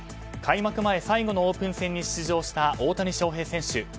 開幕前最後のオープン戦に出場した大谷翔平選手。